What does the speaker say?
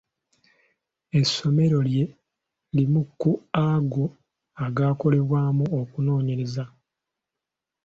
Essomero lye limu ku ago agaakolebwamu okunoonyereza.